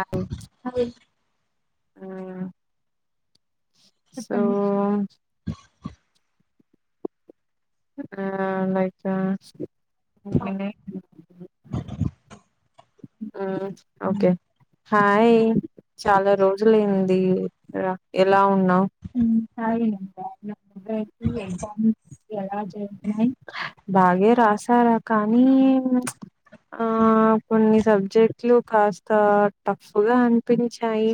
ఆ ఆ సఓ ఆ లైకా నే ఆ ఓకే హాయ్ చాలా రోజులయింది కదా ఎలా ఉన్నావు బాగే రాసారా కానీ ప్చ్ ఆ కొన్ని సబ్జెక్ట్లు కాస్త టఫ్ గా అనిపించాయి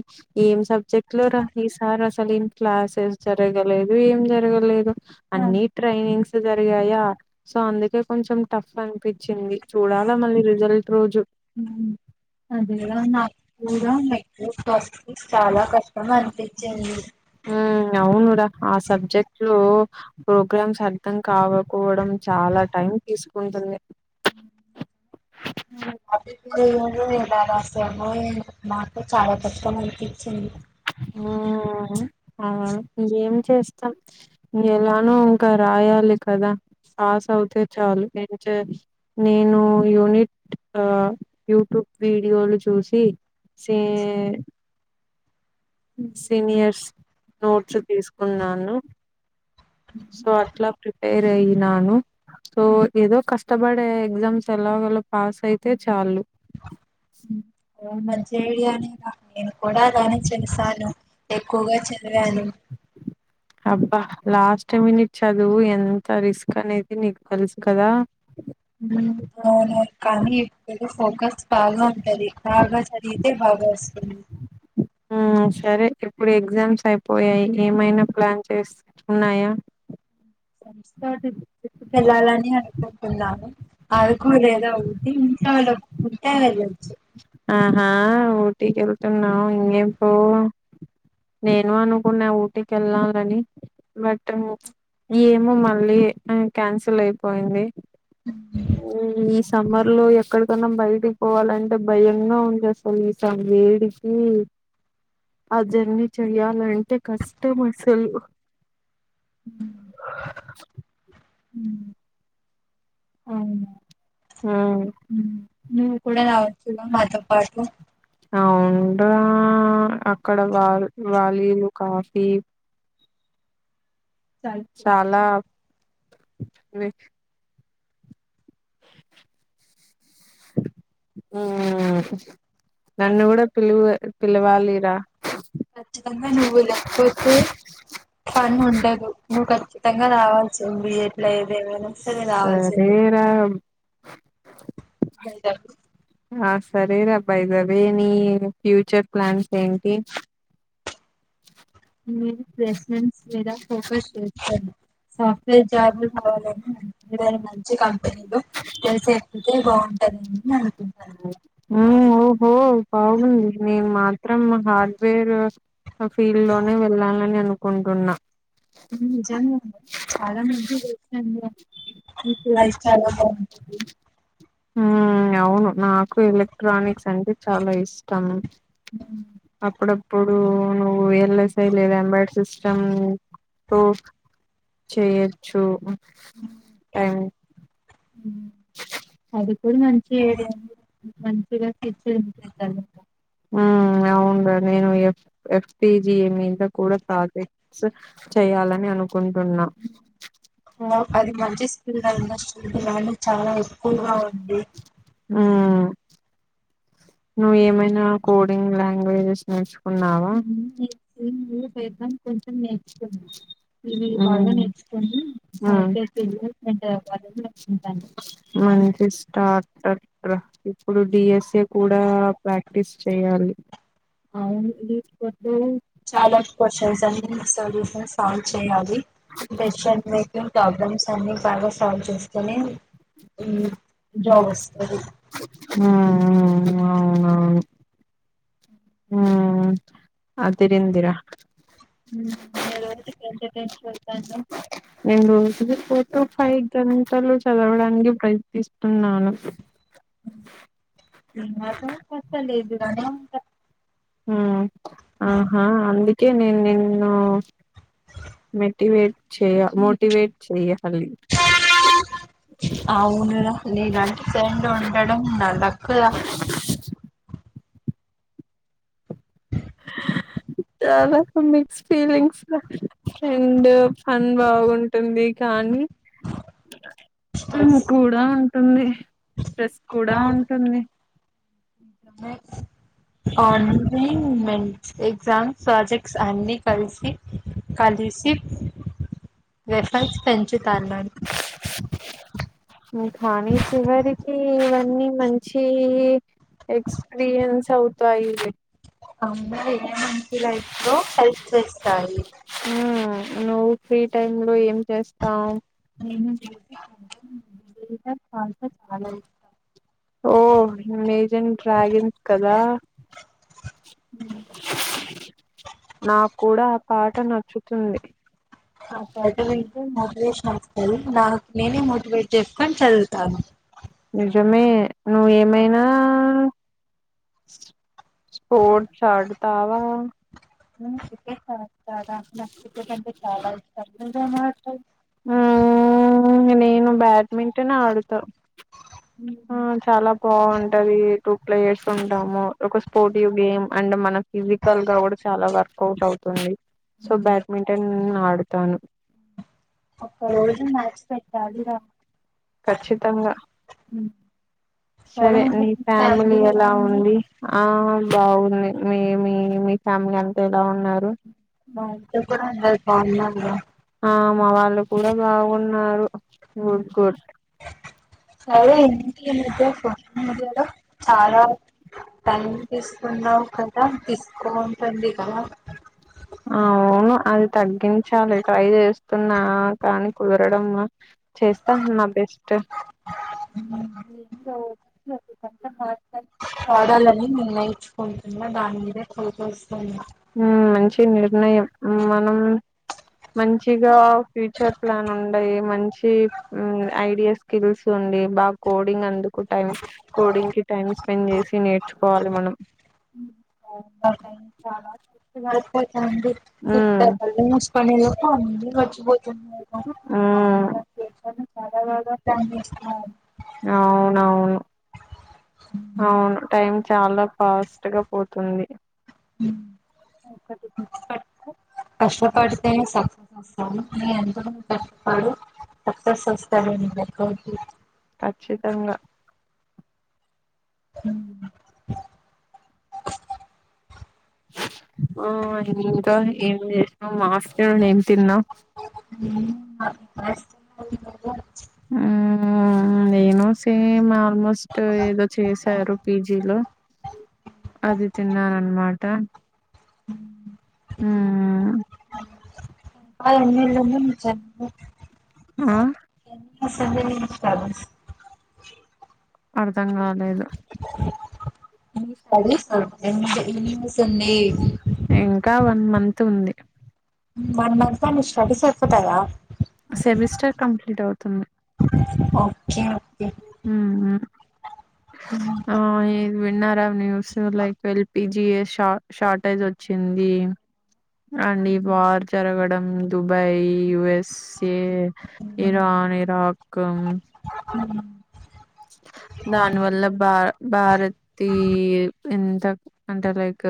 ఏం సబ్జెక్ట్ లో రా ఈ సారి అసలు ఏం క్లాసెస్ జరగలేదు ఏం జరగలేదు అన్ని ట్రైనింగ్స్ జరిగాయా సో అందుకే కొంచెం టఫ్ అనిపిచింది చూడాలా మళ్ళీ రిజల్ట్ రోజు హుమ్ హు అదే రా నాక్ కూడ ప్రాసెసింగ్ చాలా కష్టం కష్టంగా అనిపించింది అనిపింది ఆ అవునురా ఆ సబ్జెక్టు ప్రోగ్రామ్స్ అర్థం కావపోవడం చాలా టైమ్ తీస్ ఉంటుంది ఆ ఫిఫ్త్ డే ఏమో ఎలా రాసామో ఏమో చాలా తప్పని అనిపించింది హుమ్ ఆ ఏం చేస్తాం ఎలానో ఇంకా రాయాలి కదా పాస్ అవుతే చాలు ఏం చే నేను యూనిట్ ఆ యూట్యూబ్ వీడియోలు చూసి సే సీనియర్స్ నోట్స్ తీసుకున్నాను సో అట్లా ప్రిపేర్ అయినాను సో ఏదో కష్టపడే ఎగ్జామ్స్ ఎలాగోల పాస్ అయితే చాలు మంచి ఐడియానే ఇంకా నేను కూడ దాని చ అబ్బా లాస్ట్ మిని చదువు ఎంత రిస్క్ అనేది నీకు తెలుసు కదా హుమ్ అవును కానీ ఇప్పుడు ఫోకస్ బాగా ఉంటది బాగా చదిగితే బాగా వస్తది హుమ్ సరే ఇప్పుడు ఎగ్జామ్స్ అయిపోయాయి ఏమైనా ప్లాన్ చేస్ ఉన్నాయా ట్రిప్ కి వెళ్ళాలని అనుకుంటున్నాను అరకు లేద ఊటీ ఇంట్లో వాళ్ళు ఒప్పుకుంటే కుంటే వెళ్ళొచ్చు ఆహా ఊటీకెళ్తనవ్ ఇంకేం అవును నేను అనుకున్నా ఊటీకి ఎళ్ళాలని బట్ ఏమో మళ్ళీ కాన్సిల్ అయిపోయింది హుమ్ సమ్మర్ లో ఎక్కడికన్నా బయటికి పోవాలంటే భయంగా ఉంది ఆసలు ఈ స వేడికి ఆ జర్నీ చెయాలంటే కష్టం అసలు ఉమ్ అవునా నువ్వు కూడా రావచ్చు మాతో పాటు ఉండ్రా అక్కడ వాలు వాలీలు కాఫీ చాలా వె ఆ నన్ను కూడా పిలువు పిలవాలిరా ఖచ్చితంగా నువ్వు లేకపోతే, పని ఉండదు నువ్వు ఖచ్చితంగా రావాల్సిందే ఎట్లా ఏదేమైనా సరే రావాల్సిందే సరేరా ఆ సరే రబ్బాయి అదే నీ ఫ్యూచర్ ప్లాన్స్ ఏంటి నను ప్లేస్మెంట్ మీద ఫోకస్ చేస్తున్నాను సాఫ్ట్వేర్ జాబ్ జాబ్లు కావాలని కావాలంటే ఏదైనా మంచి కంపెనీలు కంపెనీలో ప్లేస్ అయితే చేస్తే బాగుంటదని బాగుంటాయి అనుకుంటాను ఆ ఓహో ఓ బాగుంది నేను మా మాత్రం హార్డ్వేర్ ఆ ఫీల్డ్ లోనే వెళ్ళాలని అను కుంటున్నా నిజంగా చాలా మంచి వస్తుంది చాలా బాగుంటుంది హ అవును నా ఎలక్ట్రానిక్స్ అంటే చాలా ఇష్టం అప్పుడప్పుడు నువ్వు విఎల్ఎస్ఐ లేదు ఎంబెడ్డెడ్ సిస్టమ్ చేయొచ్చు టైం హ్మ్ అది కూడా మంచి ఇదే మంచిగా మంచి [unintelligible] ఆ అవునురా నేను ఎఫ్ ఎఫ్ పిజి [unintelligible] లో కూడా ప్రాజెక్ట్స్ చేయాలని అనుకుంటున్నా అది మంచి స్కిన్ ఇండస్ట్రీ డిమాండ్ హ్మ్ నువ్వు ఏమైనా కోడింగ్ లాంగ్వేజెస్ నేర్చుకున్నావా? మంచి స్టార్ట్ ఇప్పుడు డిఎస్ కూడాప ప్రాక్టీస్ చేయాలి ఆ ఆ చాలా క్వశ్చన్స్ అన్ని సొల్యూషన్స్ సాల్వ్ చేయాలి డెసిషన్ మేకింగ్ ప్రాబ్లమ్స్ అన్ని బాగా సాల్వ్ చేస్తేనే జాబ్ వస్తది అవు అవునావు హ అదిరందీరా [inaudible] ఎన్ని రోజులు పోత ఫై గంటల చదవడానికి ప్రయత్నిస్తున్నాను [unintelligible] మ్ ఆహా అందుకే నేను నిన్ను మెటివేట్ చే మోటివేట్ చెయాలి అవును రా లేలాంటి సెండ్ ఉండడం నా లక్ రా యా లక్ ఉంధి ఫీలింగ్స్ ల అండ్ ఫన్ బాగుంటుంది కానీ హుమ్ స్ట్రెస్ కూడా ఉంటుంది స్ట్రెస్ కూడా ఉంటుంది అన్నీ అండ్ సే ఎగ్జామ్స్ ప్రాజెక్ట్స్ అన్ని కలిసి కలిసి [unintelligible] పెంచుతా అన్నాడు హ్మ్ కానీ చివరికీ ఇవన్నీ మంచీ ఎక్స్పీరియన్స్ అవుతాయి లే అమ్మా ఏ మంచి లైఫ్ లో హెల్ప్ చేస్తాయి ఆ నువ్ ప్ టైమ్ లో ఏం చేస్తాం ఊహు ఇంకా చాలా ఓ మేజెంట్ డ్రాగన్ కదా నా క్కూడా ఆ పార్ట్ ట నచ్చుతుంది ఇష్టం. పాటలు వింటే మోటివేషన్ వస్తది నాకు నేనే మోటివేట్ చేసుకొని చదువుతాను నిజమే నువ్వు ఏమైనా ఆ స్పోర్ట్స్ ఆడుతావా నువ్ క్రికెట్ ఆడుతాడ ఆడతాను. నాకు నాక్ క్రికెట్ అంటే చాలా ఇష్టం నువ్వేం ఆడతావు? ఆ ఆ నువ్ బ్యాడ్మింటన్ ఆడుతవ్ చాలా బాగుంటది టూ ప్లేయర్స్ ఉంటాము ఒక స్పోర్టివ్ గేమ్ అండ్ మన ఫిజికల్ గా కూడా చాలా వర్కౌట్ అవుతుంది సో బ్యాడ్మింటన్ ఆడు తను ఒక్క ఒకవేళ రోజు మ్యాచ్ అయితే పెట్టాలి ఆడుగా రా ఖచ్చతంగా సరే నీ ఫ్యామిలీ ఎలా ఉంది ఆ బాగు మి మీ మీ ఫ్యామిలీ అంతా ఎలా ఉన్నారు మా ఇంట్లో కూడా అందరు బావున్నారు ఆ మా వాళ్ళు కూడా బాగున్నారు ఉమ్ గుడ్ అయితే ఏంటి ఈ మధ్య సోషల్ మీడియాలో చాలా టైం తీసుకున్నావు కదా తీసుకుంటది కదా అవు అ తగ్గించాలి ట్రై చేస్తున్నా కానీ కుదరడం చేస్తా నా బెస్ట్ పాడాలని నిర్ణయిర్ంచుకుంటున్నా దాని మీదే కలిచస్తును హ్మ్ మంచి నిర్ణయం మనం మంచిగా ఫ్యూచర్ ప్లాన్ ఉండయి మంచి మంచి ఐడియా స్కిల్స్ ఉండి బాగ కోడింగ్ అందుకుం టైమ్ కోడింగ్ కి టైమ్స్ పని చేసి నేట్ ర్చుకోవాలి మనం బ [unintelligible] అదండీ ఇట్ట కళ్ళు మూసుకునే లోపు అన్నీ మర్చిపొతున్న హ్మ్. [unintelligible] అవునవును అవును టైమ్ చాలా ఫాస్ట్ గా పోతుంది. కష్టపడితే సక్సెస్ వస్తాది. ఎంతోమంది కష్టపడు సక్సెస్ [unintelligible] ఖచ్చితంగా. అ ఓ అది ఇంకా ఏమ్ చే మాస్టర్ ఏం తిన్న [unintelligible] హ్మ్ నేను సినిమా ఆల్మోస్ట్ ఏదో చేశారు. పీజీలో అది తిన్నాను అన్మాట హ్మ్ [unintelligible] జరుగుతుంది, జరుపుకో ఆ ఓ పెద్ద ఇన్స్టాలో అర్ధం కాలేదు [unintelligible] స్టడీస్ మమ్మి ఎమ్క్ ఇల్ సంధి ఇంకా వన్ మంత్ ఉంది. వన్ మంత్లో నీ స్టడీస్ అయిపోతయా సెమిస్టర్ కంప్లీట్ అవుతుంది. ఓకే హ్మ్ హ ఆ ఇది విన్నారా న్యూస్ లైక్ ఎల్పి జి ఎస్ షా షార్టేజ్ వచ్చింది. అండ్ ఈ వార్ జరగడం దుబాయ్ యుఎస్ఏ ఇరాన్, ఇరాక్ ఉ దాని వల్ల బా భారతి ఎంత అంటే లైక్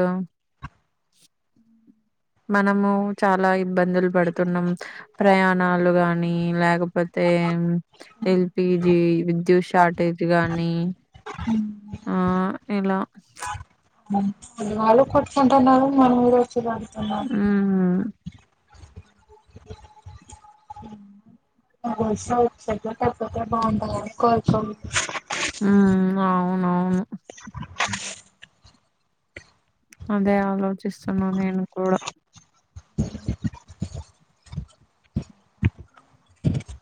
మనము చాలా ఇబ్బందులు పడుతున్నాం. ప్రయాణాలు గానీ లేకపోతే ఎల్పిజి, విద్యుత్ షార్టేజ్ గానీ ఆ ఎలా ప్చ్ వాళ్ళ కొట్టుకుంటున్నారు మనం చీరక్ కదా హ్మ్. [inaudible] ఉ అవునవును అదే ఆలోచిస్తున్నా నేను కూడా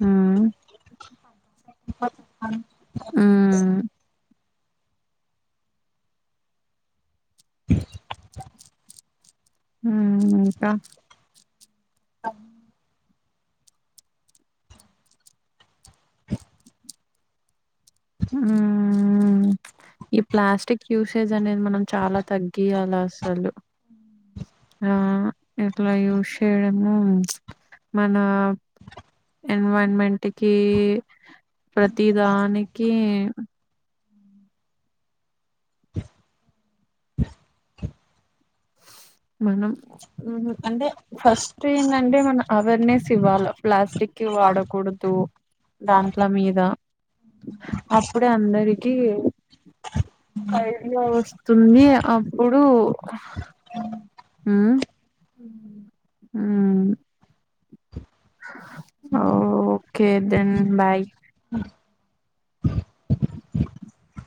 అ ఆ ఇంకా ఈ ప్లాస్టిక్ యూసేజ్ అనేది మనం చాలా తగ్గియాలి అసలు ఆ ఇట్లా యూస్ చేయడము మన ఎన్వరన్మెంట్కిి ప్రతి దానికి కి మనం అంటే ఫస్ట్ ఏంటంటే మనం అవేర్నెస్ ఇవ్వాలి ప్లాస్టిక్కి వాడకూడదు దాంట్ల ఫస్ట్ మీద అప్పుడే అందరిక వస్తుంది అప్పుడు ఆ ఆ ఓ ఓకే దన్ బాయ్